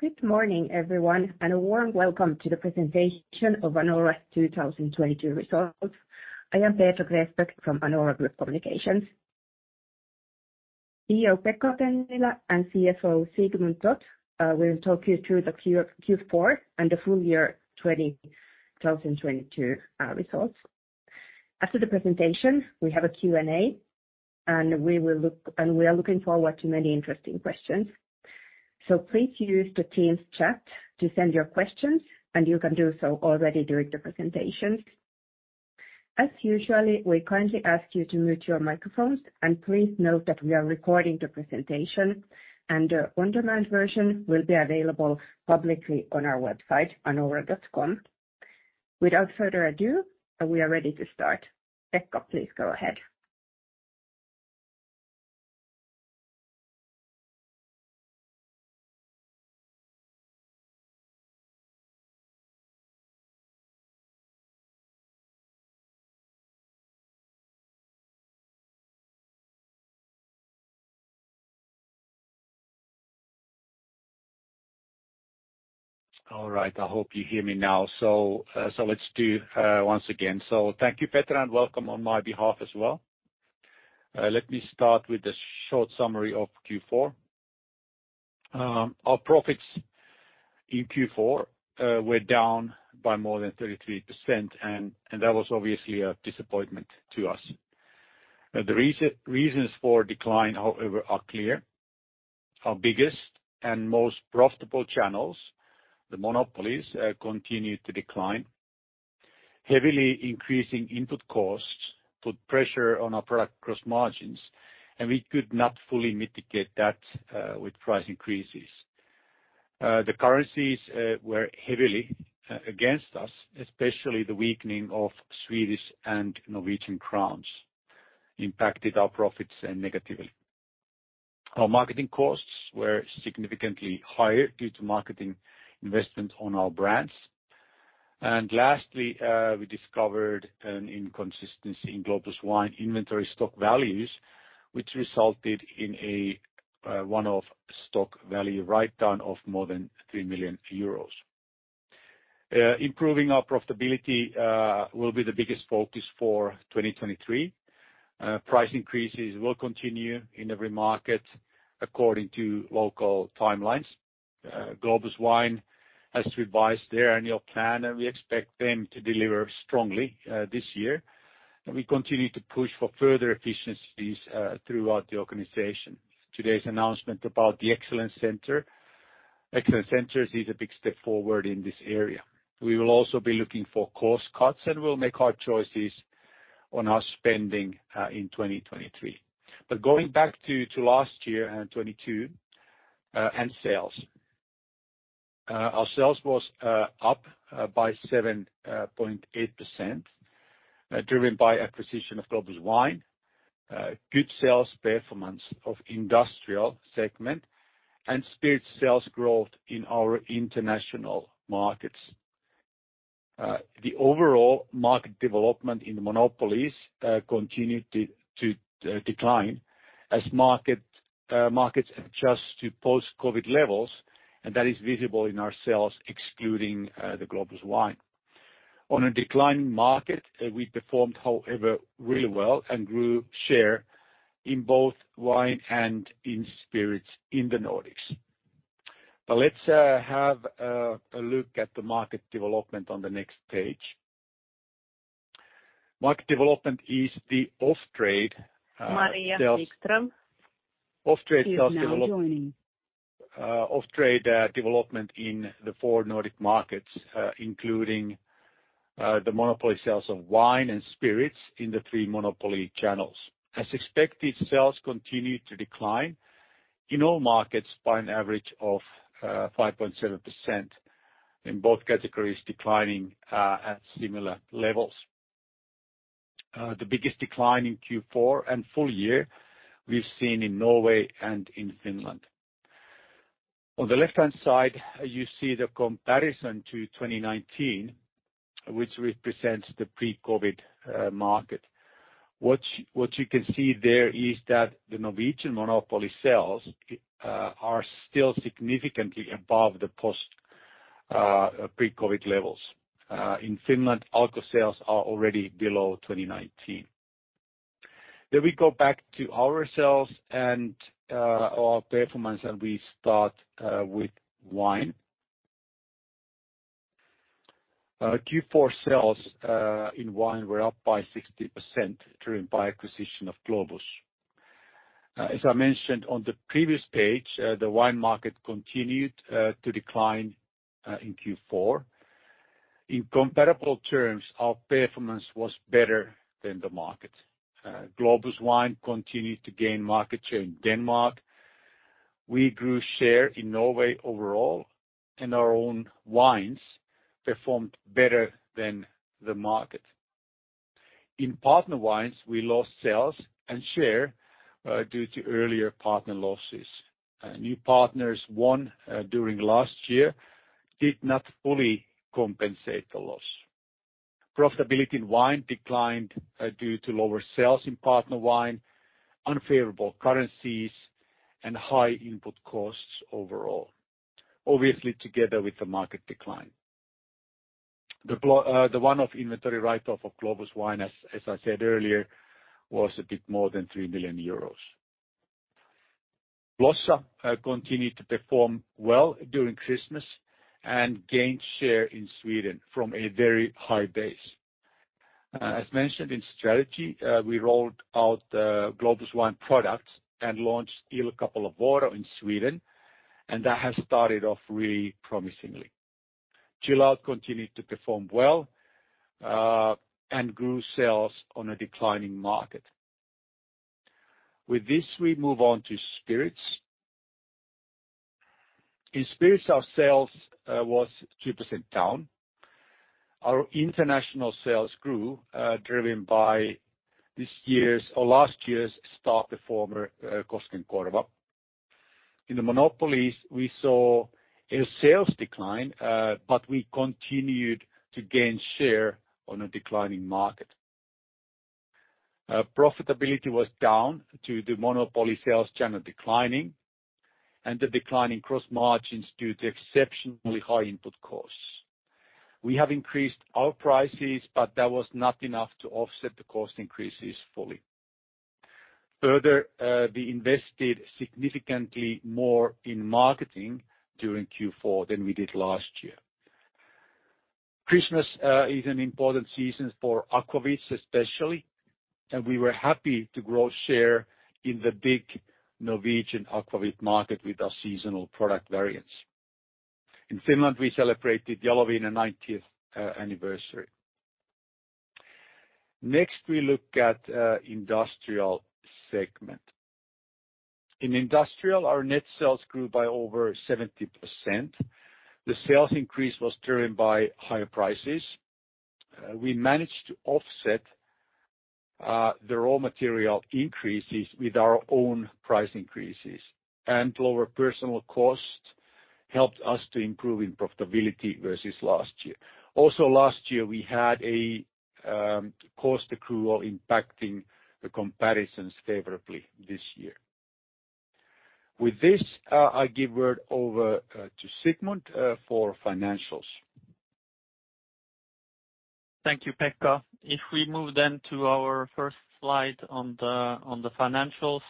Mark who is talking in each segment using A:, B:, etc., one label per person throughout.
A: Good morning, everyone, and a warm welcome to the presentation of Anora 2022 Results. I am Petra Gräsbeck from Anora Group Communications. CEO Pekka Tennilä and CFO Sigmund Toth will talk you through the Q4 and the full year 2022 results. After the presentation, we have a Q&A, and we are looking forward to many interesting questions. Please use the Teams chat to send your questions, and you can do so already during the presentations. As usually, we kindly ask you to mute your microphones and please note that we are recording the presentation, and the on-demand version will be available publicly on our website, anora.com. Without further ado, we are ready to start. Pekka, please go ahead.
B: All right. I hope you hear me now. Let's do once again. Thank you, Petra, and welcome on my behalf as well. Let me start with a short summary of Q4. Our profits in Q4 were down by more than 33%, and that was obviously a disappointment to us. The reasons for decline, however, are clear. Our biggest and most profitable channels, the monopolies, continued to decline. Heavily increasing input costs put pressure on our product cross margins, and we could not fully mitigate that with price increases. The currencies were heavily against us, especially the weakening of Swedish and Norwegian crowns impacted our profits negatively. Our marketing costs were significantly higher due to marketing investment on our brands. Lastly, we discovered an inconsistency in Globus Wine inventory stock values, which resulted in a one-off stock value write down of more than 3 million euros. Improving our profitability will be the biggest focus for 2023. Price increases will continue in every market according to local timelines. Globus Wine has revised their annual plan, and we expect them to deliver strongly this year. We continue to push for further efficiencies throughout the organization. Today's announcement about the Excellence Center. Excellence Centers is a big step forward in this area. We will also be looking for cost cuts, and we'll make hard choices on our spending in 2023. Going back to last year, 2022, and sales. Our sales was up by 7.8% driven by acquisition of Globus Wine, good sales performance of industrial segment, and spirit sales growth in our international markets. The overall market development in the monopolies continued to decline as markets adjust to post-COVID levels, and that is visible in our sales, excluding Globus Wine. On a decline market, we performed, however, really well and grew share in both wine and in spirits in the Nordics. Let's have a look at the market development on the next page. Market development is the off-trade sales-
A: Maria Wikström-
B: Off-trade sales.
A: Is now joining.
B: Off-trade development in the four Nordic markets, including the monopoly sales of wine and spirits in the three monopoly channels. As expected, sales continued to decline in all markets by an average of 5.7% in both categories declining at similar levels. The biggest decline in Q4 and full year we've seen in Norway and in Finland. On the left-hand side, you see the comparison to 2019, which represents the pre-COVID market. What you can see there is that the Norwegian monopoly sales are still significantly above the pre-COVID levels. In Finland, Alko sales are already below 2019. We go back to our sales and our performance, and we start with wine. Q4 sales in wine were up by 60% driven by acquisition of Globus. As I mentioned on the previous page, the wine market continued to decline in Q4. In comparable terms, our performance was better than the market. Globus Wine continued to gain market share in Denmark. We grew share in Norway overall, and our own wines performed better than the market. In partner wines, we lost sales and share due to earlier partner losses. New partners won during last year did not fully compensate the loss. Profitability in wine declined due to lower sales in partner wine, unfavorable currencies and high input costs overall, obviously together with the market decline. The one-off inventory write-off of Globus Wine, as I said earlier, was a bit more than 3 million euros. Blossa continued to perform well during Christmas and gained share in Sweden from a very high base. As mentioned in strategy, we rolled out Globus Wine products and launched Il Capolavoro in Sweden. That has started off really promisingly. Gilard continued to perform well. Grew sales on a declining market. With this, we move on to spirits. In spirits, our sales was 2% down. Our international sales grew, driven by this year's or last year's start performer, Koskenkorva. In the monopolies, we saw a sales decline. We continued to gain share on a declining market. Profitability was down due to the monopoly sales channel declining and the decline in gross margins due to exceptionally high input costs. We have increased our prices. That was not enough to offset the cost increases fully. Further, we invested significantly more in marketing during Q4 than we did last year. Christmas is an important season for aquavit especially, and we were happy to grow share in the big Norwegian aquavit market with our seasonal product variants. In Finland, we celebrated Jaloviina ninetieth anniversary. We look at industrial segment. In industrial, our net sales grew by over 70%. The sales increase was driven by higher prices. We managed to offset the raw material increases with our own price increases, and lower personal costs helped us to improve in profitability versus last year. Last year, we had a cost accrual impacting the comparisons favorably this year. I give word over to Sigmund for financials.
C: Thank you, Pekka. We move then to our first slide on the financials,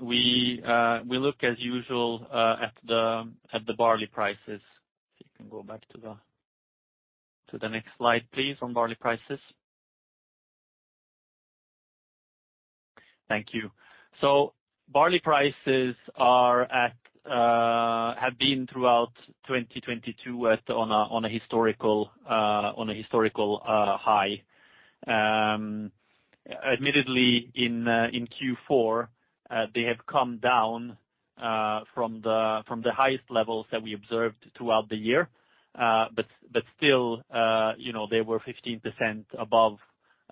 C: we look as usual at the barley prices. You can go back to the next slide, please, on barley prices. Thank you. Barley prices have been throughout 2022 at on a historical high. Admittedly in Q4, they have come down from the highest levels that we observed throughout the year. Still, you know, they were 15% above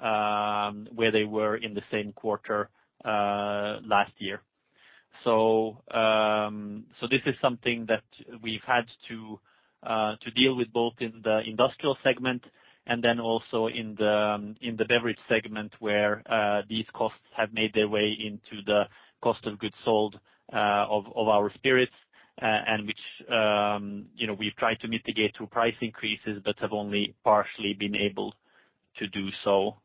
C: where they were in the same quarter last year. This is something that we've had to deal with both in the industrial segment and then also in the, in the beverage segment where these costs have made their way into the cost of goods sold of our spirits, and which, you know, we've tried to mitigate through price increases but have only partially been able to do so.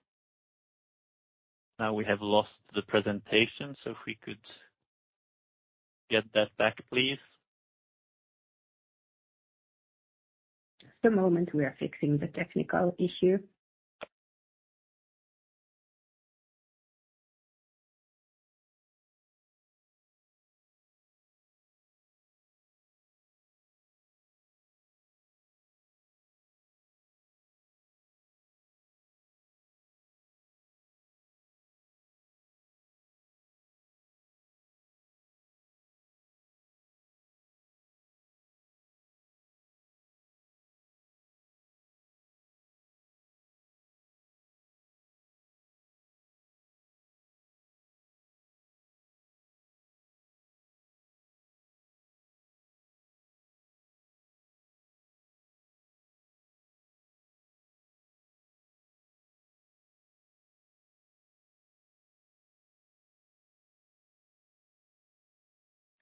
C: We have lost the presentation, so if we could get that back, please.
A: Just a moment. We are fixing the technical issue.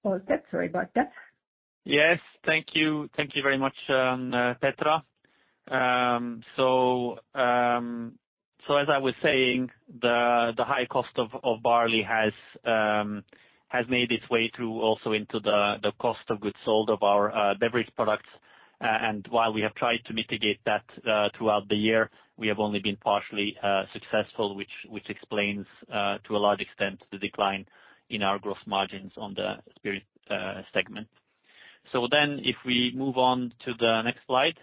A: All set. Sorry about that.
C: Yes thank you very much, Petra. As I was saying, the high cost of barley has made its way through also into the cost of goods sold of our beverage products, and while we have tried to mitigate that throughout the year, we have only been partially successful, which explains to a large extent the decline in our gross margins on the spirit segment. If we move on to the next slide,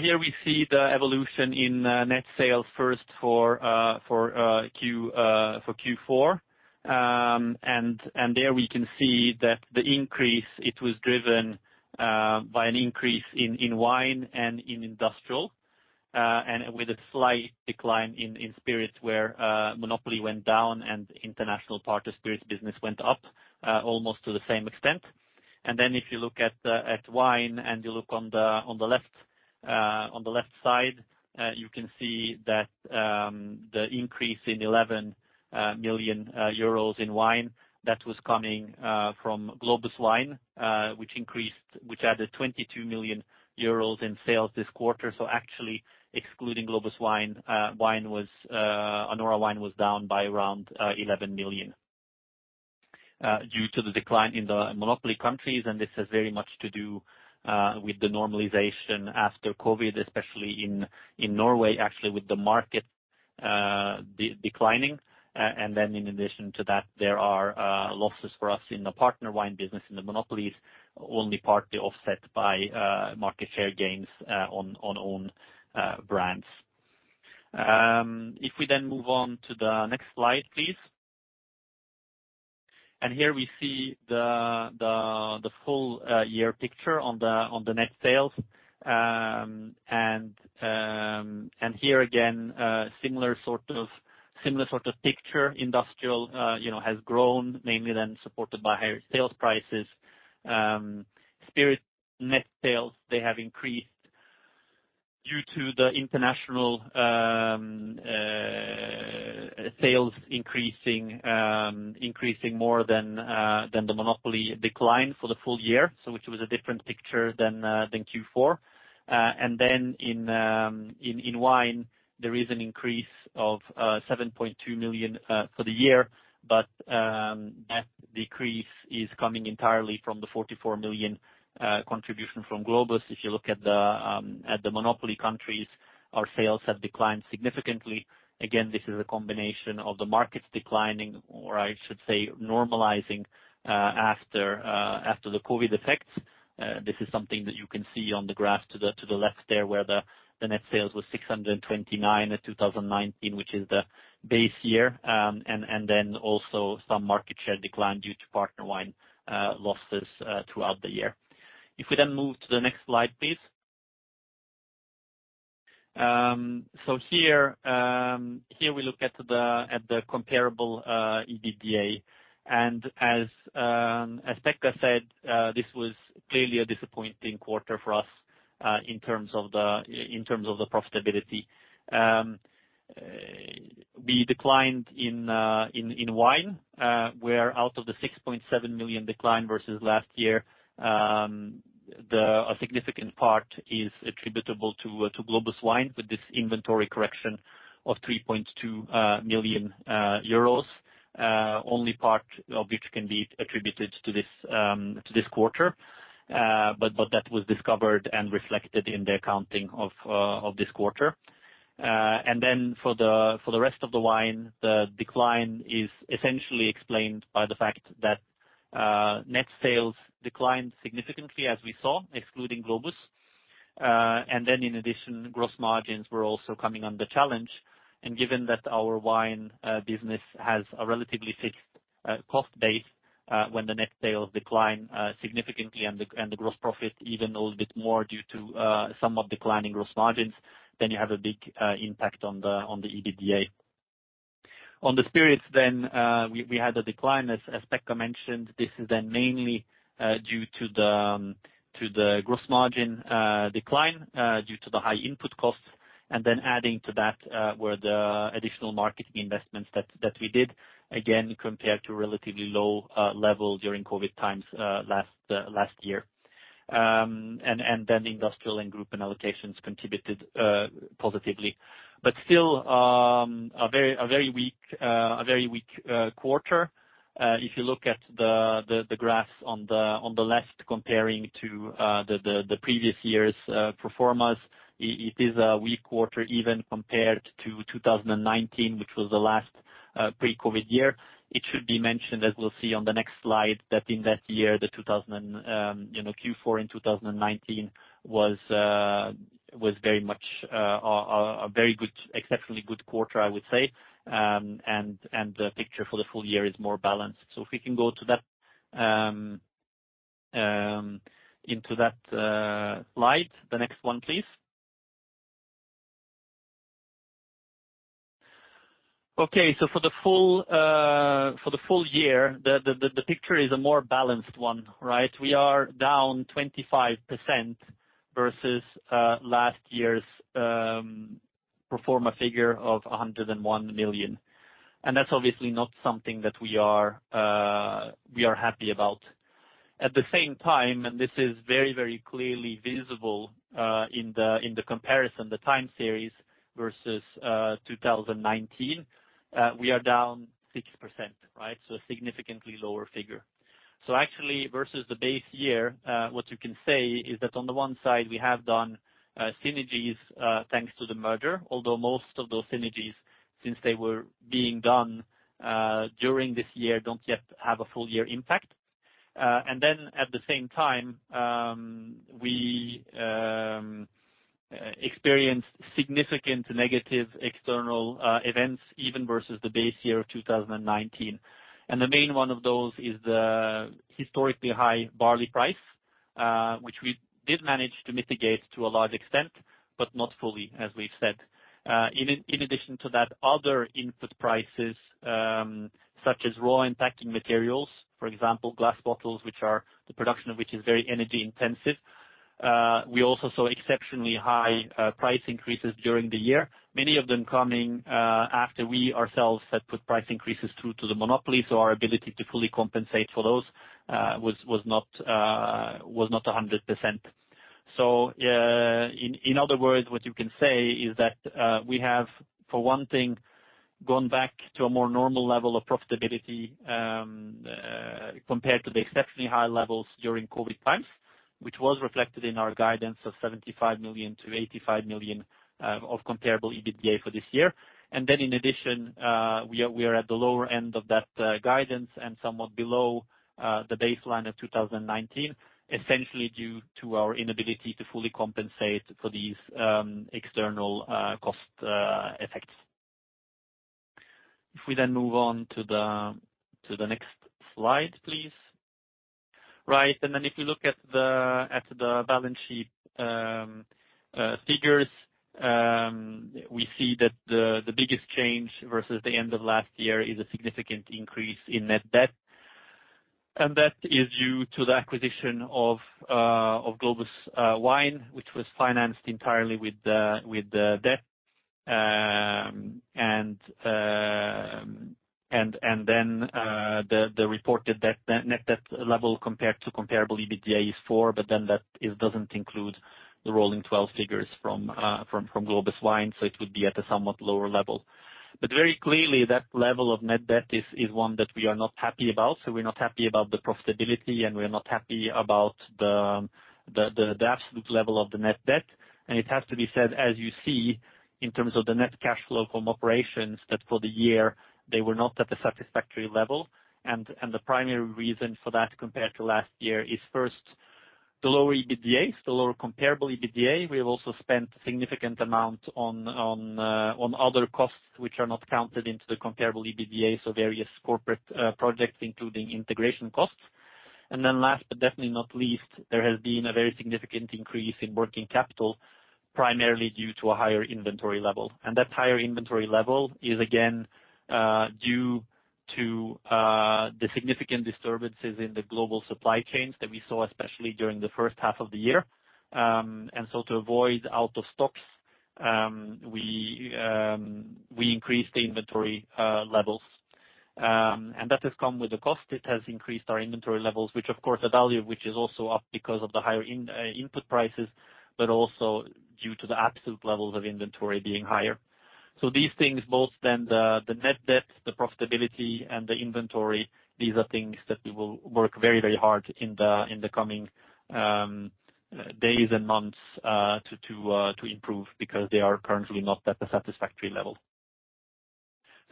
C: here we see the evolution in net sales first for Q4. There we can see that the increase, it was driven by an increase in wine and in industrial. With a slight decline in spirits where monopoly went down and international part of spirits business went up almost to the same extent. If you look at wine and you look on the left, on the left side, you can see that the increase in 11 million euros in wine that was coming from Globus Wine, which added 22 million euros in sales this quarter. Actually excluding Globus Wine, Anora was down by around 11 million due to the decline in the monopoly countries. This has very much to do with the normalization after COVID, especially in Norway, actually with the market declining. In addition to that, there are losses for us in the partner wine business in the monopolies, only partly offset by market share gains on own brands. If we move on to the next slide, please. Here we see the full year picture on the net sales. Here again, similar sort of picture. Industrial, you know, has grown mainly then supported by higher sales prices. Spirit net sales, they have increased due to the international sales increasing more than the monopoly decline for the full year. Which was a different picture than Q4. In wine, there is an increase of 7.2 million for the year. That decrease is coming entirely from the 44 million contribution from Globus Wine. If you look at the monopoly countries, our sales have declined significantly. Again, this is a combination of the markets declining or I should say normalizing after the COVID effects. This is something that you can see on the graph to the left there, where the net sales was 629 in 2019, which is the base year. Also some market share decline due to partner wine losses throughout the year. We move to the next slide, please. Here we look at the comparable EBITDA. As Pekka said, this was clearly a disappointing quarter for us in terms of the profitability. We declined in wine, where out of the 6.7 million decline versus last year, a significant part is attributable to Globus Wine, with this inventory correction of 3.2 million euros, only part of which can be attributed to this quarter. But that was discovered and reflected in the accounting of this quarter. For the rest of the wine, the decline is essentially explained by the fact that net sales declined significantly, as we saw, excluding Globus. In addition, gross margins were also coming under challenge. Given that our wine business has a relatively fixed cost base, when the net sales decline significantly and the gross profit even a little bit more due to somewhat declining gross margins, then you have a big impact on the EBITDA. On the spirits, we had a decline, as Pekka mentioned. This is mainly due to the gross margin decline due to the high input costs. Adding to that were the additional marketing investments that we did, again, compared to relatively low levels during COVID times last year. Industrial and group and allocations contributed positively. Still, a very weak quarter. If you look at the graphs on the left comparing to the previous year's performance, it is a weak quarter even compared to 2019, which was the last pre-COVID year. It should be mentioned, as we'll see on the next slide, that in that year, the two thousand and, you know, Q4 in 2019 was very much a very good, exceptionally good quarter, I would say. The picture for the full year is more balanced. If we can go to that into that slide. The next one, please. Okay. For the full year, the picture is a more balanced one, right? We are down 25% versus last year's performer figure of 101 million. That's obviously not something that we are happy about. At the same time, this is very, very clearly visible in the comparison, the time series versus 2019, we are down 6%, right? A significantly lower figure. Actually, versus the base year, what you can say is that on the one side, we have done synergies thanks to the merger. Although most of those synergies, since they were being done during this year, don't yet have a full year impact. At the same time, we experienced significant negative external events even versus the base year of 2019. The main one of those is the historically high barley price, which we did manage to mitigate to a large extent. But not fully, as we've said. In addition to that, other input prices, such as raw and packing materials, for example, glass bottles, the production of which is very energy intensive. We also saw exceptionally high price increases during the year. Many of them coming after we ourselves had put price increases through to the monopoly. Our ability to fully compensate for those was not 100%. In, in other words, what you can say is that, we have, for one thing, gone back to a more normal level of profitability, compared to the exceptionally high levels during COVID times, which was reflected in our guidance of 75 million-85 million of comparable EBITDA for this year. In addition, we are, we are at the lower end of that guidance and somewhat below the baseline of 2019, essentially due to our inability to fully compensate for these external cost effects. If we then move on to the next slide, please. Right. If you look at the balance sheet figures, we see that the biggest change versus the end of last year is a significant increase in net debt. That is due to the acquisition of Globus Wine, which was financed entirely with the debt. The reported debt, net debt level compared to comparable EBITDA is four, but then that it doesn't include the rolling 12 figures from Globus Wine, so it would be at a somewhat lower level. Very clearly, that level of net debt is one that we are not happy about. We're not happy about the profitability, and we're not happy about the absolute level of the net debt. It has to be said, as you see, in terms of the net cash flow from operations, that for the year, they were not at a satisfactory level. The primary reason for that compared to last year is first, the lower EBITDA, the lower comparable EBITDA. We have also spent significant amount on other costs, which are not counted into the comparable EBITDA, so various corporate projects, including integration costs. Last, but definitely not least, there has been a very significant increase in working capital, primarily due to a higher inventory level. That higher inventory level is again due to the significant disturbances in the global supply chains that we saw, especially during the first half of the year. To avoid out of stocks, we increased the inventory levels. That has come with a cost. It has increased our inventory levels, which of course the value of which is also up because of the higher input prices, but also due to the absolute levels of inventory being higher. These things both then the net debt, the profitability and the inventory, these are things that we will work very, very hard in the coming days and months to improve because they are currently not at a satisfactory level.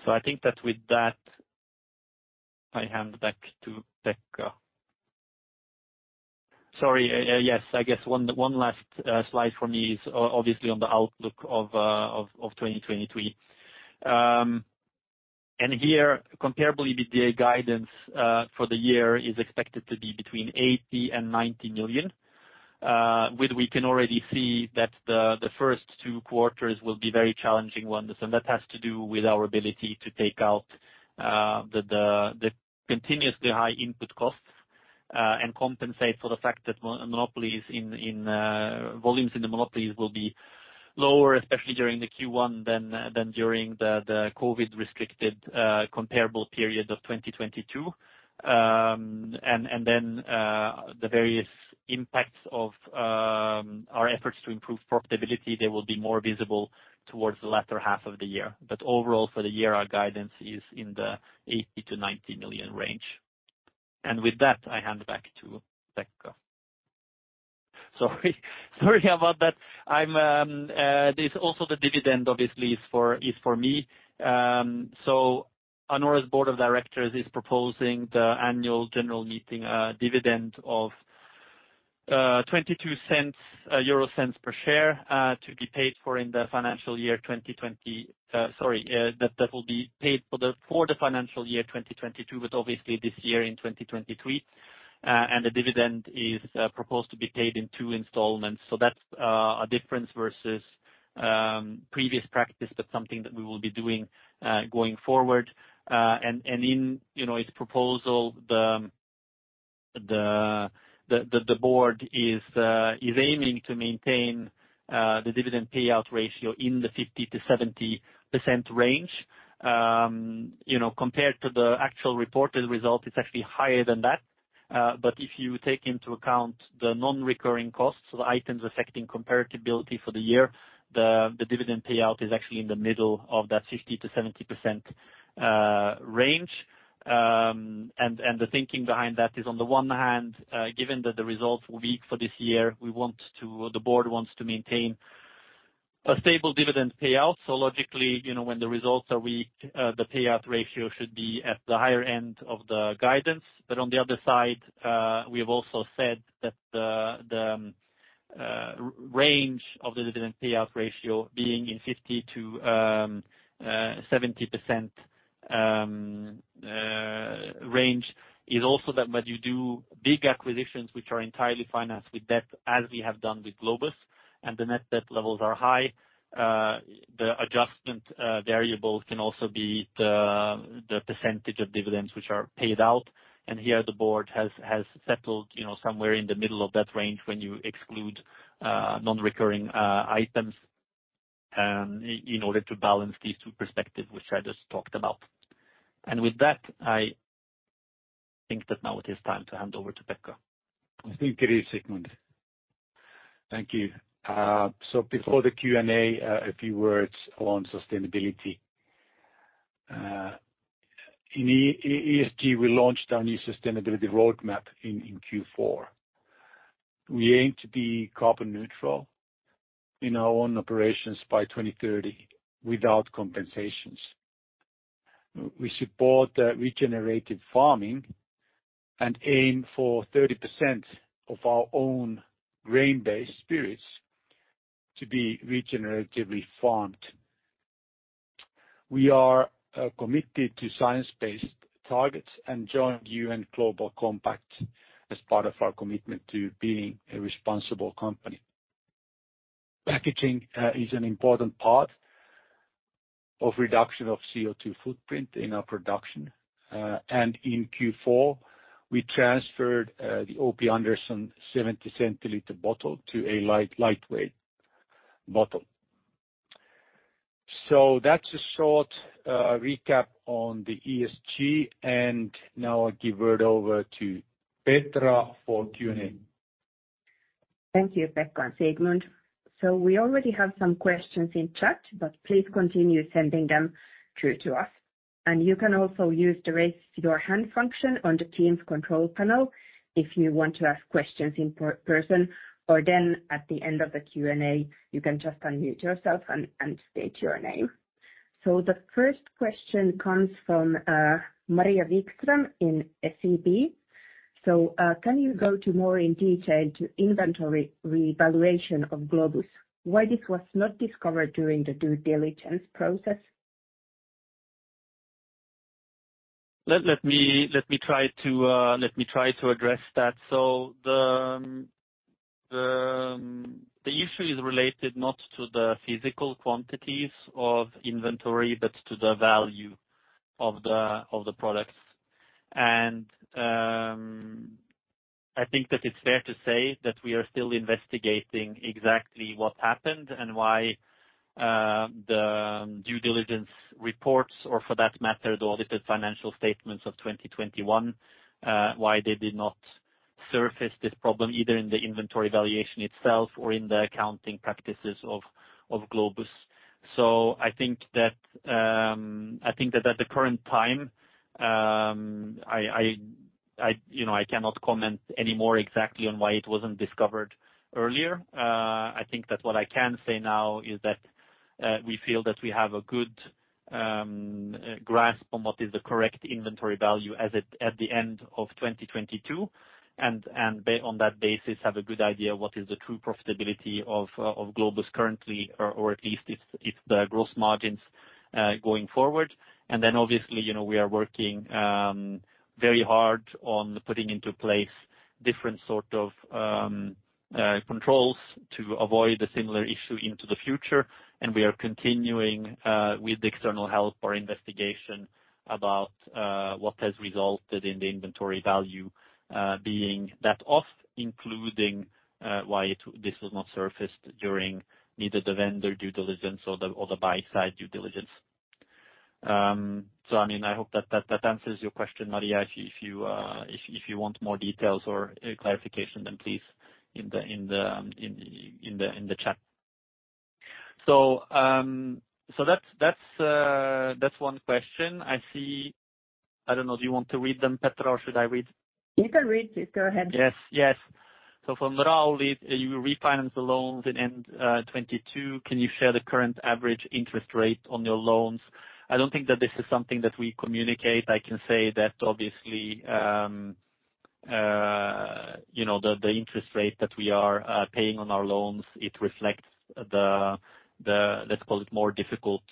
C: I think that with that, I hand back to Pekka. Sorry, yes, I guess one last slide for me is obviously on the outlook of 2023. Here comparable EBITDA guidance for the year is expected to be between 80 million and 90 million. With we can already see that the first two quarters will be very challenging ones, and that has to do with our ability to take out the continuously high input costs and compensate for the fact that monopolies in volumes in the monopolies will be lower, especially during the Q1 than during the COVID restricted comparable period of 2022. The various impacts of our efforts to improve profitability, they will be more visible towards the latter half of the year. Overall for the year, our guidance is in the 80 million-90 million range. With that, I hand back to Pekka. Sorry about that. I'm, it's also the dividend obviously is for me. Anora's board of directors is proposing the annual general meeting dividend of 0.22 per share to be paid for in the financial year 2022, but obviously this year in 2023. The dividend is proposed to be paid in two installments. That's a difference versus previous practice, but something that we will be doing going forward. In, you know, its proposal, the board is aiming to maintain the dividend payout ratio in the 50%-70% range. You know, compared to the actual reported result, it's actually higher than that. If you take into account the non-recurring costs, so the items affecting comparability for the year, the dividend payout is actually in the middle of that 50%-70% range. And the thinking behind that is on the one hand, given that the results were weak for this year, the board wants to maintain a stable dividend payout. Logically, you know, when the results are weak, the payout ratio should be at the higher end of the guidance. On the other side, we have also said that the range of the dividend payout ratio being in 50% to 70% range is also that when you do big acquisitions which are entirely financed with debt, as we have done with Globus and the net debt levels are high, the adjustment variable can also be the percentage of dividends which are paid out. Here the board has settled, you know, somewhere in the middle of that range when you exclude non-recurring items in order to balance these two perspectives, which I just talked about. With that, I think that now it is time to hand over to Pekka.
B: I think it is, Sigmund. Thank you. Before the Q&A, a few words on sustainability. In ESG, we launched our new sustainability roadmap in Q4. We aim to be carbon neutral in our own operations by 2030 without compensations. We support regenerative farming and aim for 30% of our own grain-based spirits to be regeneratively farmed. We are committed to Science-Based Targets and join UN Global Compact as part of our commitment to being a responsible company. Packaging is an important part of reduction of CO2 footprint in our production. In Q4, we transferred the O.P. Anderson 70 centiliter bottle to a light, lightweight bottle. That's a short recap on the ESG. Now I give it over to Petra for Q&A.
A: Thank you, Pekka and Sigmund. We already have some questions in chat, but please continue sending them through to us. You can also use the Raise Your Hand function on the team's control panel if you want to ask questions in per-person, or then at the end of the Q&A, you can just unmute yourself and state your name. The first question comes from Maria Wikström in SEB.
D: Can you go to more in detail into inventory revaluation of Globus? Why this was not discovered during the due diligence process?
C: Let me, let me try to, let me try to address that. The issue is related not to the physical quantities of inventory, but to the value of the products. I think that it's fair to say that we are still investigating exactly what happened and why, the due diligence reports, or for that matter, the audited financial statements of 2021, why they did not surface this problem either in the inventory valuation itself or in the accounting practices of Globus. I think that, I think that at the current time, I, you know, I cannot comment any more exactly on why it wasn't discovered earlier. I think that what I can say now is that we feel that we have a good grasp on what is the correct inventory value as it at the end of 2022, and on that basis, have a good idea what is the true profitability of Globus currently or at least its the gross margins going forward. Then obviously, you know, we are working very hard on putting into place different sort of controls to avoid a similar issue into the future. We are continuing with the external help or investigation about what has resulted in the inventory value being that off, including why this was not surfaced during neither the vendor due diligence or the buy side due diligence. I mean, I hope that answers your question, Maria. If you want more details or clarification, then please in the chat. That's one question. I see. I don't know, do you want to read them, Petra, or should I read?
D: You can read it. Go ahead.
C: Yes. Yes. From Raul, you refinance the loans in end 2022. Can you share the current average interest rate on your loans? I don't think that this is something that we communicate. I can say that obviously, you know, the interest rate that we are paying on our loans, it reflects the, let's call it more difficult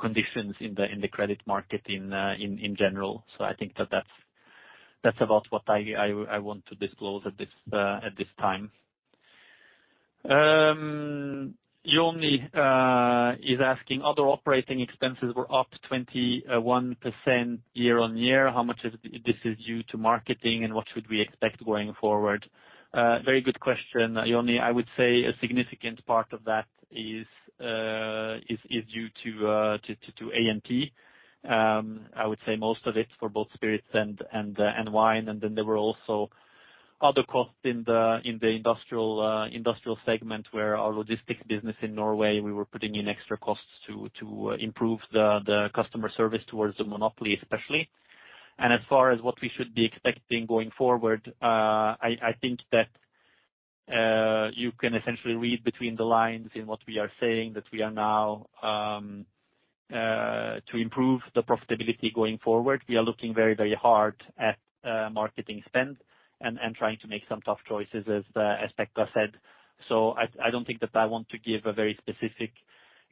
C: conditions in the credit market in general. I think that that's about what I want to disclose at this time. Yoni is asking, other operating expenses were up 21% year-on-year. How much is this is due to marketing, and what should we expect going forward? Very good question, Yoni. I would say a significant part of that is due to ANT. I would say most of it for both spirits and wine. Then there were also other costs in the industrial segment where our logistics business in Norway, we were putting in extra costs to improve the customer service towards the monopoly, especially. As far as what we should be expecting going forward, I think that you can essentially read between the lines in what we are saying, that we are now to improve the profitability going forward. We are looking very, very hard at marketing spend and trying to make some tough choices, as Pekka said. I don't think that I want to give a very specific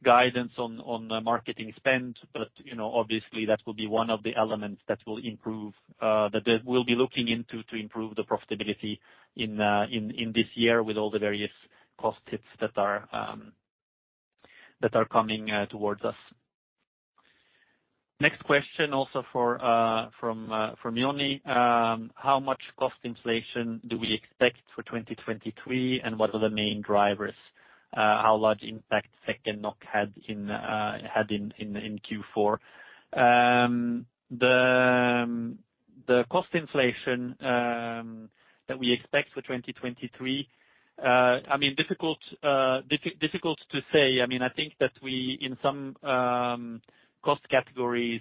C: guidance on marketing spend, but, you know, obviously that will be one of the elements that will improve that we'll be looking into to improve the profitability in this year with all the various cost hits that are coming towards us. Next question also for from Joni. How much cost inflation do we expect for 2023, and what are the main drivers? How large impact SEK and NOK had in Q4? The cost inflation that we expect for 2023, I mean, difficult to say. I mean, I think that we in some cost categories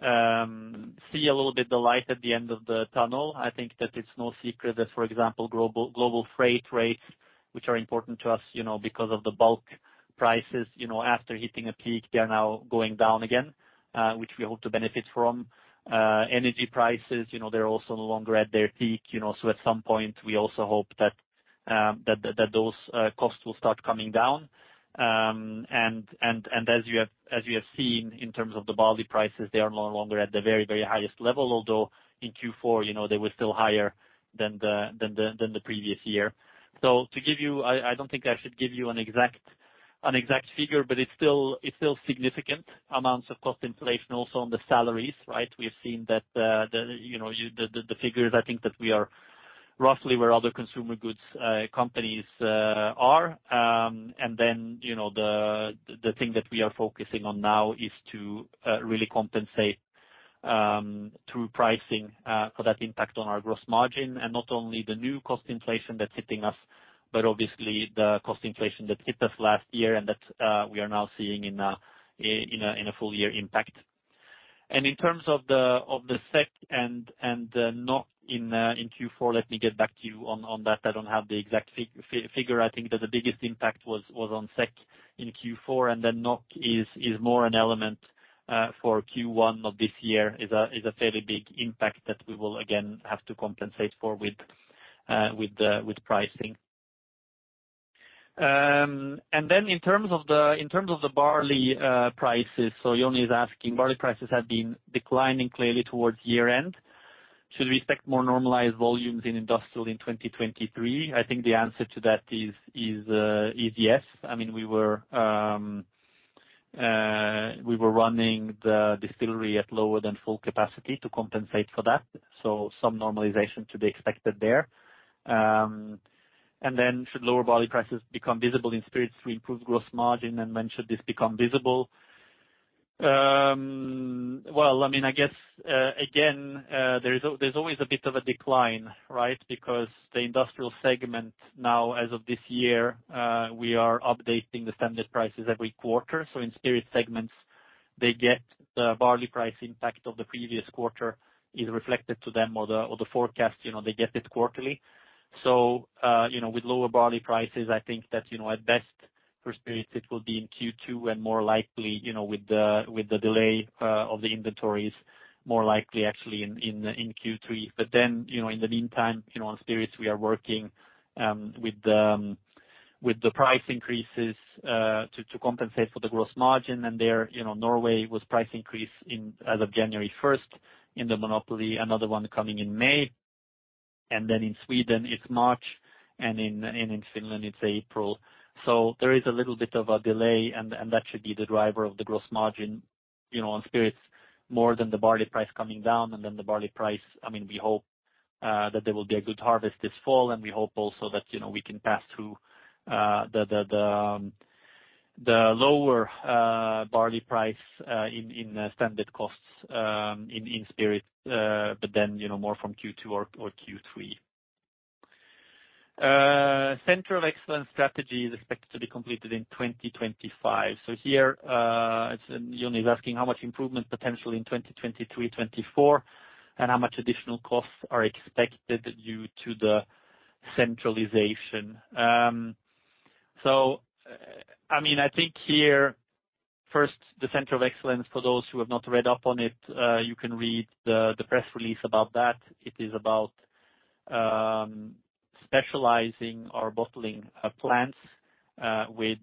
C: see a little bit the light at the end of the tunnel. I think that it's no secret that, for example, global freight rates, which are important to us, you know, because of the bulk prices, you know, after hitting a peak, they are now going down again, which we hope to benefit from. Energy prices, you know, they're also no longer at their peak, you know. At some point, we also hope that those costs will start coming down. And as you have seen in terms of the barley prices, they are no longer at the very highest level, although in Q4, you know, they were still higher than the previous year. To give you... I don't think I should give you an exact figure, but it's still significant amounts of cost inflation also on the salaries, right? We have seen that, you know, the figures I think that we are roughly where other consumer goods companies are. Then, you know, the thing that we are focusing on now is to really compensate through pricing for that impact on our gross margin, and not only the new cost inflation that's hitting us, but obviously the cost inflation that hit us last year and that we are now seeing in a full year impact. In terms of the SEK and the NOK in Q4, let me get back to you on that. I don't have the exact figure. I think that the biggest impact was on SEK in Q4, and then NOK is more an element for Q1 of this year, is a fairly big impact that we will again have to compensate for with the pricing. In terms of the barley prices, Joni is asking, barley prices have been declining clearly towards year-end. Should we expect more normalized volumes in industrial in 2023? I think the answer to that is yes. I mean, we were running the distillery at lower than full capacity to compensate for that. Some normalization to be expected there. Should lower barley prices become visible in spirits to improve gross margin, and when should this become visible? Well, I mean, I guess, again, there's always a bit of a decline, right? Because the industrial segment now, as of this year, we are updating the standard prices every quarter. In spirit segments, they get the barley price impact of the previous quarter is reflected to them or the forecast, you know, they get it quarterly. You know, with lower barley prices, I think that, you know, at best for spirits, it will be in Q2 and more likely, you know, with the delay of the inventories, more likely actually in Q3. You know, in the meantime, you know, on spirits we are working with the price increases to compensate for the gross margin. There, you know, Norway was price increase in, as of January 1st in the monopoly, another one coming in May. In Sweden it's March, and in Finland it's April. There is a little bit of a delay and that should be the driver of the gross margin, you know, on spirits more than the barley price coming down. The barley price, I mean, we hope that there will be a good harvest this fall, and we hope also that, you know, we can pass through the lower barley price in standard costs in spirit, but then, you know, more from Q2 or Q3. Center of Excellence strategy is expected to be completed in 2025. Here, it's... Joni is asking how much improvement potential in 2023, 2024, and how much additional costs are expected due to the centralization. I mean, I think here, first, the Center of Excellence, for those who have not read up on it, you can read the press release about that. It is about specializing our bottling plants with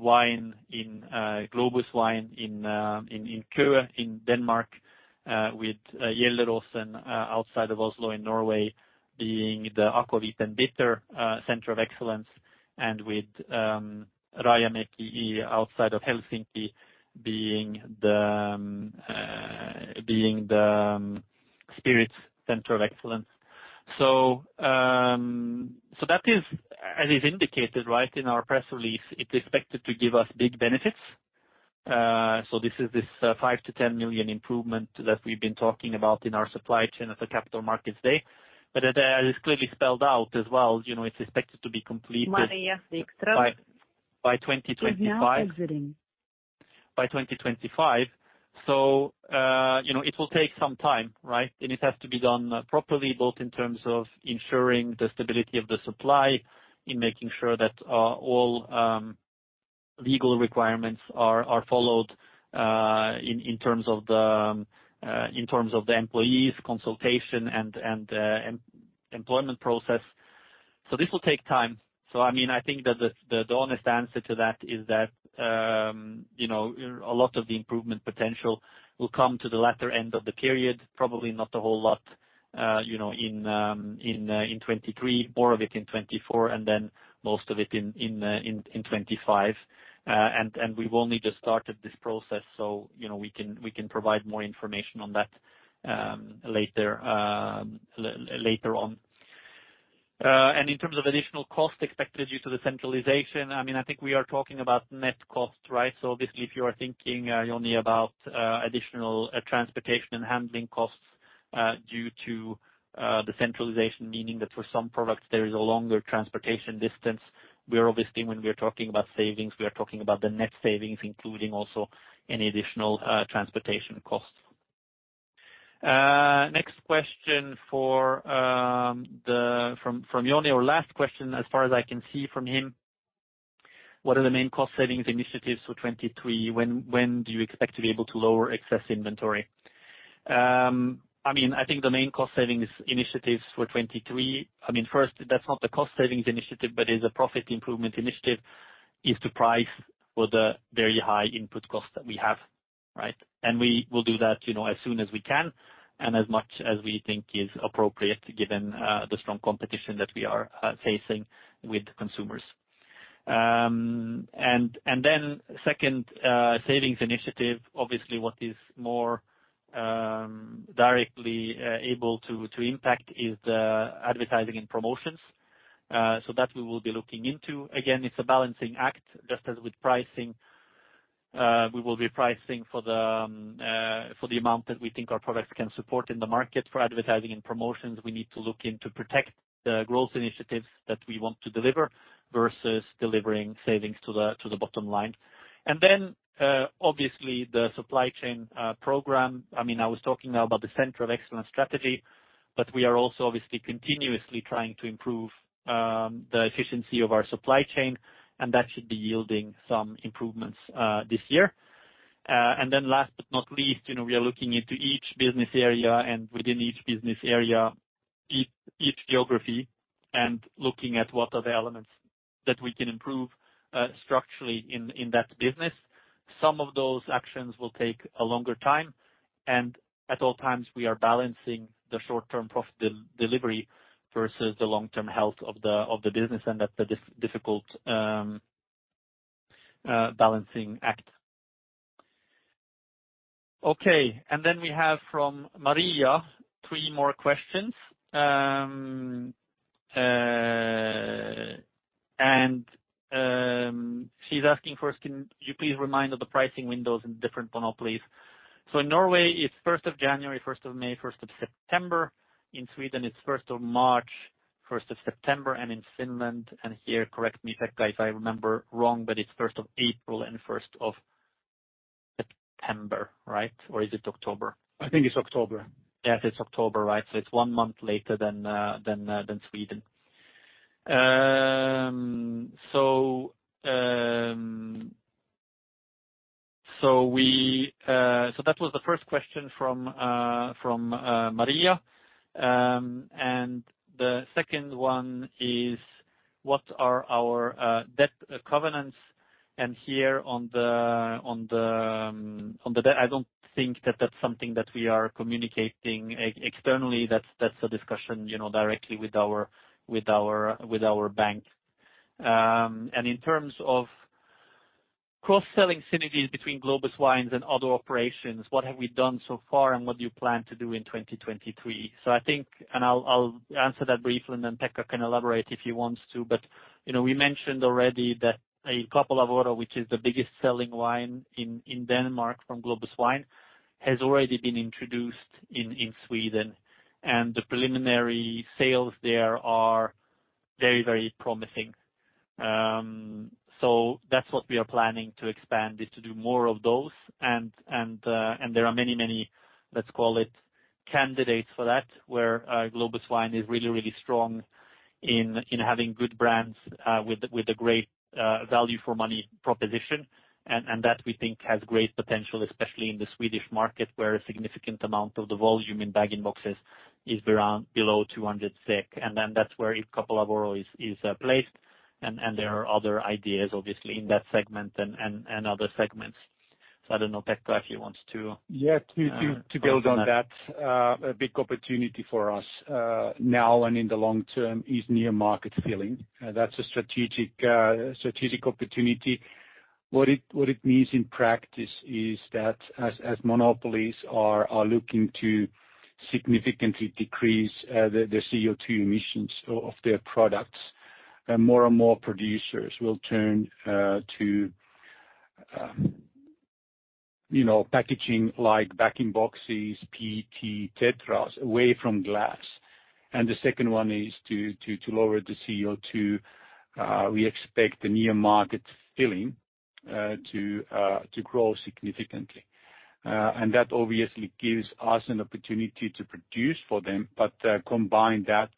C: wine in Globus Wine in Køge in Denmark, with Gjelleråsen outside of Oslo in Norway, being the Aquavit and Bitter Center of Excellence, and with Rajamäki outside of Helsinki being the spirits Center of Excellence. That is, as is indicated right in our press release, it's expected to give us big benefits. This is, 5-10 million improvement that we've been talking about in our supply chain at the Capital Markets Day. As is clearly spelled out as well, you know, it's expected to be completed.
A: Maria Wikström
C: By 2025.
A: Is now exiting.
C: By 2025. you know, it will take some time, right? It has to be done properly, both in terms of ensuring the stability of the supply, in making sure that all legal requirements are followed in terms of the employees' consultation and employment process. This will take time. I mean, I think that the honest answer to that is that, you know, a lot of the improvement potential will come to the latter end of the period, probably not a whole lot, you know, in 2023, more of it in 2024, and then most of it in 2025. We've only just started this process so, you know, we can provide more information on that later on. In terms of additional costs expected due to the centralization, I mean, I think we are talking about net cost, right? Obviously, if you are thinking only about additional transportation and handling costs due to the centralization, meaning that for some products there is a longer transportation distance. We are obviously, when we are talking about savings, we are talking about the net savings including also any additional transportation costs. Next question for Joni, or last question as far as I can see from him. What are the main cost savings initiatives for 2023? When do you expect to be able to lower excess inventory? I mean, I think the main cost savings initiatives for 2023, first, that's not the cost savings initiative, but is a profit improvement initiative, is to price for the very high input costs that we have, right? We will do that, you know, as soon as we can, and as much as we think is appropriate given the strong competition that we are facing with consumers. Then second, savings initiative, obviously what is more directly able to impact is the advertising and promotions. That we will be looking into. Again, it's a balancing act, just as with pricing. We will be pricing for the amount that we think our products can support in the market. For advertising and promotions, we need to look in to protect the growth initiatives that we want to deliver versus delivering savings to the bottom line. Obviously the supply chain program. I mean, I was talking about the Center of Excellence strategy, but we are also obviously continuously trying to improve the efficiency of our supply chain, and that should be yielding some improvements this year. Last but not least, you know, we are looking into each business area, and within each business area, each geography, and looking at what are the elements that we can improve structurally in that business. Some of those actions will take a longer time. At all times, we are balancing the short-term profit de-delivery versus the long-term health of the business. That's a difficult balancing act. Okay. We have from Maria 3 more questions. She's asking first, can you please remind of the pricing windows in different monopolies? In Norway, it's January 1st, May 1st, September 1st. In Sweden, it's March 1st, September 1st, and in Finland, and here, correct me, Pekka, if I remember wrong, but it's April 1st and September 1st, right? Is it October?
B: I think it's October.
C: Yes, it's October, right. It's one month later than than than Sweden. That was the 1st question from from Maria. The second one is what are our debt covenants. I don't think that that's something that we are communicating externally. That's a discussion, you know, directly with our bank. In terms of cross-selling synergies between Globus Wine and other operations, what have we done so far and what do you plan to do in 2023? I think, and I'll answer that briefly and then Pekka can elaborate if he wants to. You know, we mentioned already that Il Capolavoro which is the biggest selling wine in Denmark from Globus Wine, has already been introduced in Sweden. The preliminary sales there are very, very promising. That's what we are planning to expand, is to do more of those. There are many, let's call it candidates for that, where Globus Wine is really strong in having good brands, with a great value for money proposition. That we think has great potential, especially in the Swedish market, where a significant amount of the volume in bag-in-boxes is around below 200 SEK. Then that's where Il Capolavoro is placed. There are other ideas obviously in that segment and other segments. I don't know if Pekka actually wants to.
B: Yeah. To build on that, a big opportunity for us now and in the long term is near market filling. That's a strategic opportunity. What it means in practice is that as monopolies are looking to significantly decrease the CO2 emissions of their products, more and more producers will turn to, you know, packaging like bag-in-box, PET, tetras, away from glass. The second one is to lower the CO2, we expect the near market filling to grow significantly. That obviously gives us an opportunity to produce for them. Combine that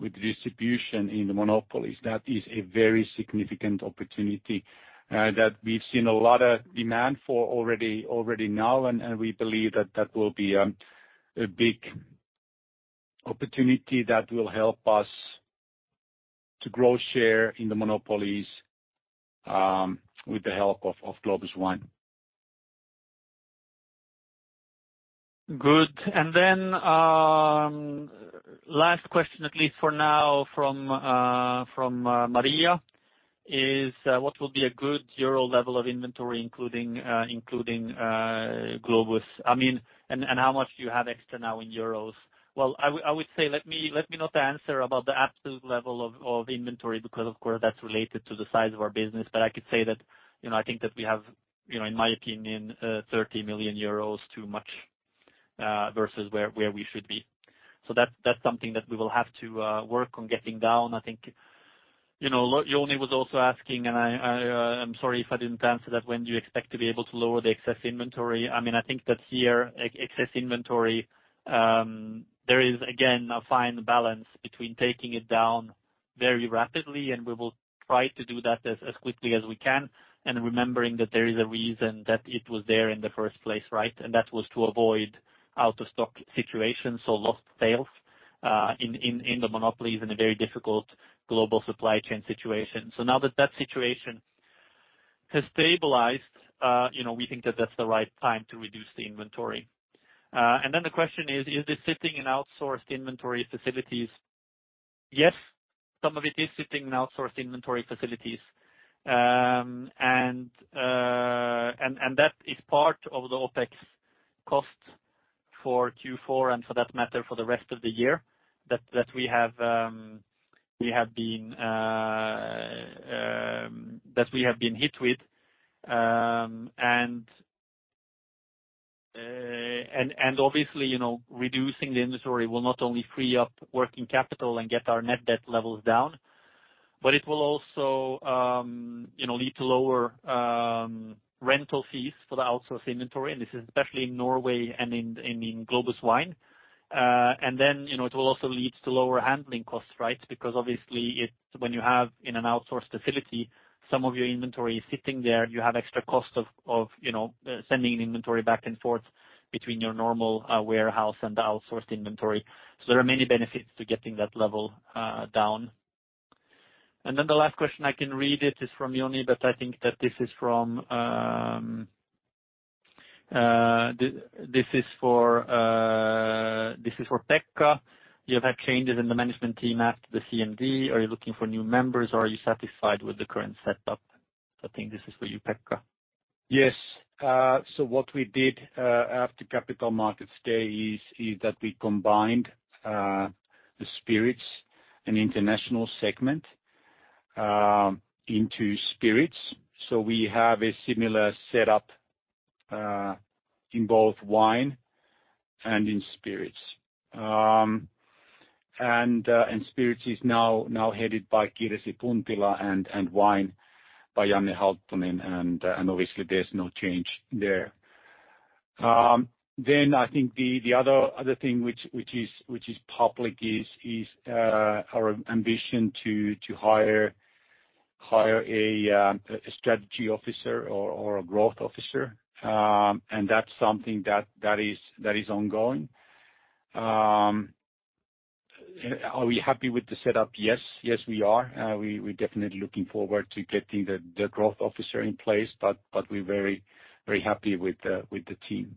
B: with distribution in the monopolies, that is a very significant opportunity that we've seen a lot of demand for already now. We believe that that will be a big opportunity that will help us to grow share in the Monopolies, with the help of Globus Wine.
C: Good. Then, last question, at least for now, from Maria, is what will be a good EUR level of inventory including Globus? I mean, and how much do you have extra now in EUR? Well, I would say, let me not answer about the absolute level of inventory because of course that's related to the size of our business. I could say that, you know, I think that we have, you know, in my opinion, 30 million euros too much versus where we should be. That's something that we will have to work on getting down. I think, you know, Joni was also asking, and I'm sorry if I didn't answer that, when do you expect to be able to lower the excess inventory? I mean, I think that here, excess inventory, there is again, a fine balance between taking it down very rapidly, and we will try to do that as quickly as we can, and remembering that there is a reason that it was there in the first place, right? That was to avoid out-of-stock situations, so lost sales, in the monopolies in a very difficult global supply chain situation. Now that that situation has stabilized, you know, we think that that's the right time to reduce the inventory. The question is this sitting in outsourced inventory facilities? Yes, some of it is sitting in outsourced inventory facilities. That is part of the OpEx cost for Q4, and for that matter, for the rest of the year, that we have been hit with. Obviously, you know, reducing the inventory will not only free up working capital and get our net debt levels down, but it will also, you know, lead to lower rental fees for the outsourced inventory, and this is especially in Norway and in Globus Wine. Then, you know, it will also lead to lower handling costs, right? Because obviously when you have in an outsourced facility, some of your inventory is sitting there, and you have extra cost of, you know, sending inventory back and forth between your normal warehouse and the outsourced inventory. There are many benefits to getting that level down. The last question I can read, it is from Joni, but I think that this is for Pekka. You have had changes in the management team after the CMD. Are you looking for new members or are you satisfied with the current setup? I think this is for you, Pekka.
B: Yes. What we did after Capital Markets Day is that we combined the spirits and international segment into spirits. We have a similar setup in both wine and in spirits. Spirits is now headed by Kirsi Puntila, and wine by Janne Halttunen, and obviously there's no change there. I think the other thing which is public is our ambition to hire a strategy officer or a growth officer. That's something that is ongoing. Are we happy with the setup? Yes. Yes, we are. We definitely looking forward to getting the growth officer in place, but we're very happy with the team.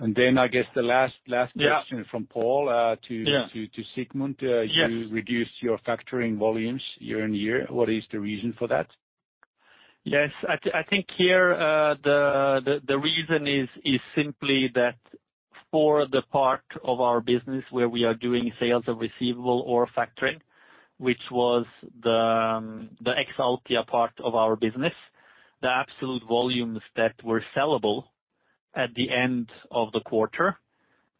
B: I guess the last.
C: Yeah.
B: last question from Paul.
C: Yeah.
B: to Sigmund.
C: Yes.
B: You reduced your factoring volumes year-over-year. What is the reason for that?
C: I think here, the reason is simply that for the part of our business where we are doing sales of receivable or factoring, which was the Exaltia part of our business, the absolute volumes that were sellable at the end of the quarter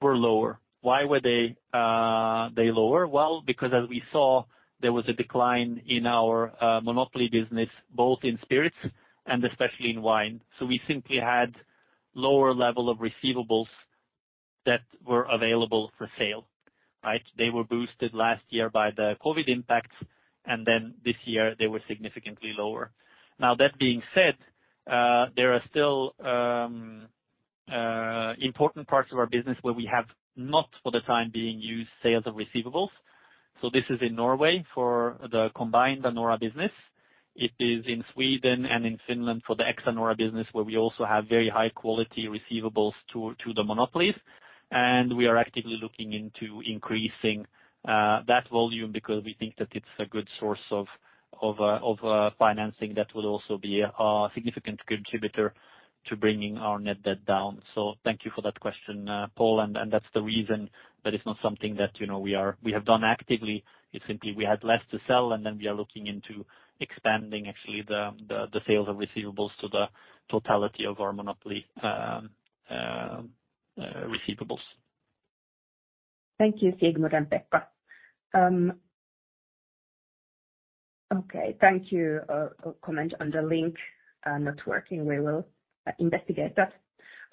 C: were lower. Why were they lower? Because as we saw, there was a decline in our monopoly business, both in spirits and especially in wine. We simply had lower level of receivables that were available for sale, right? They were boosted last year by the COVID impacts, and then this year they were significantly lower. That being said, there are still important parts of our business where we have not, for the time being, used sales of receivables. This is in Norway for the combined Anora business. It is in Sweden and in Finland for the ex-Anora business, where we also have very high-quality receivables to the monopolies. We are actively looking into increasing that volume because we think that it's a good source of financing that will also be a significant contributor to bringing our net debt down. Thank you for that question, Pauli. That's the reason that it's not something that, you know, we have done actively. It's simply we had less to sell. We are looking into expanding actually the sales of receivables to the totality of our monopoly receivables.
A: Thank you, Sigmund and Pekka. Okay, thank you. Comment on the link not working. We will investigate that.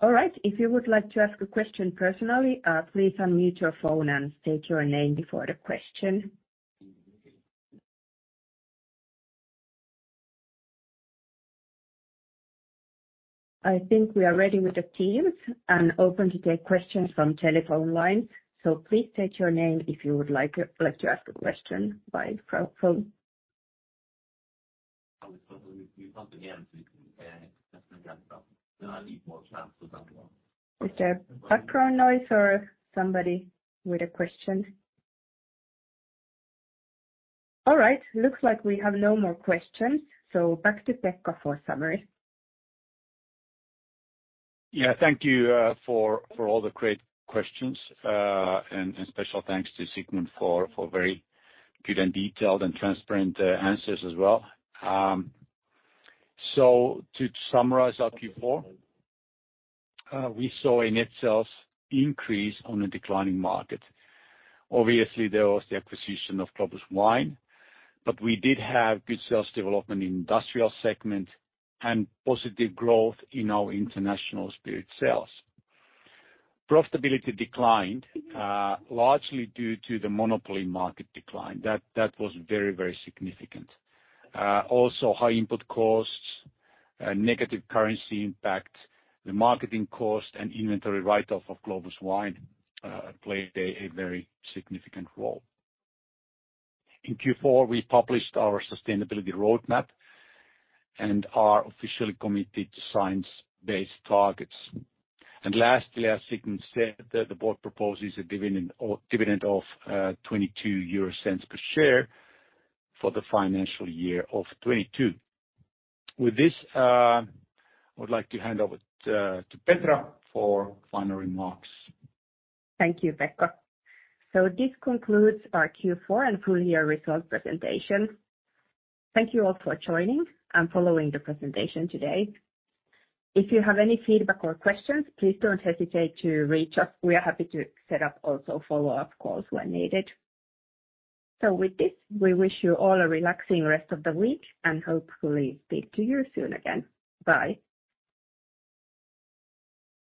A: All right. If you would like to ask a question personally, please unmute your phone and state your name before the question. I think we are ready with the teams and open to take questions from telephone line. Please state your name if you would like to ask a question by phone. Is there a background noise or somebody with a question? All right. Looks like we have no more questions. Back to Pekka for summary.
B: Yeah. Thank you for all the great questions. And special thanks to Sigmund for very good and detailed and transparent answers as well. To summarize our Q4, we saw a net sales increase on a declining market. Obviously, there was the acquisition of Globus Wine, but we did have good sales development in industrial segment and positive growth in our international spirit sales. Profitability declined largely due to the monopoly market decline. That was very significant. Also high input costs, negative currency impact, the marketing cost and inventory write-off of Globus Wine played a very significant role. In Q4, we published our sustainability roadmap and are officially committed to Science-Based Targets. Lastly, as Sigmund said, the board proposes a dividend of 0.22 per share for the financial year of 2022. With this, I would like to hand over to Petra for final remarks.
A: Thank you, Pekka. This concludes our Q4 and full year results presentation. Thank you all for joining and following the presentation today. If you have any feedback or questions, please don't hesitate to reach us. We are happy to set up also follow-up calls when needed. With this, we wish you all a relaxing rest of the week, and hopefully speak to you soon again. Bye.